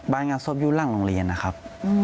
งานศพอยู่หลังโรงเรียนนะครับ